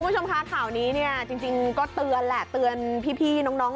คุณผู้ชมคะข่าวนี้เนี่ยจริงก็เตือนแหละเตือนพี่น้อง